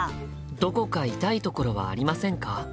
「どこか痛いところはありませんか？」。